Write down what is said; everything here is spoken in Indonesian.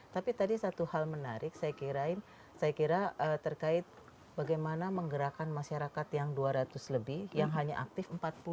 tapi tadi satu hal menarik saya kira terkait bagaimana menggerakkan masyarakat yang dua ratus lebih yang hanya aktif empat puluh